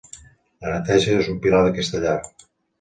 La neteja és un pilar d'aquesta llar.